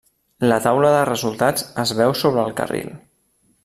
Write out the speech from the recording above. La taula de resultats es veu sobre el carril.